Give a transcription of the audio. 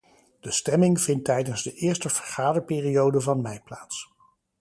De stemming vindt tijdens de eerste vergaderperiode van mei plaats.